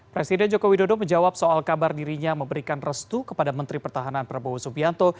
presiden joko widodo menjawab soal kabar dirinya memberikan restu kepada menteri pertahanan prabowo subianto